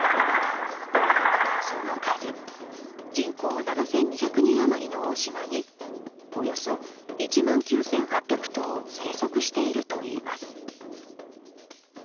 その数、人口７２００人余りの大島におよそ１万９８００頭生息しているといいます。